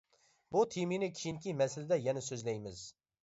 بۇ تېمىنى كېيىنكى مەسىلىدە يەنە سۆزلەيمىز.